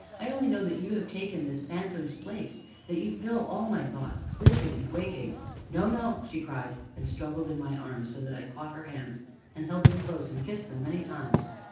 I only know that you have taken this phantom's place that you fill all my thoughts sleeping, and waking " "No! No!" she cried, and struggled in my arms, so that I caught her hands, and held them close, and kissed them many times.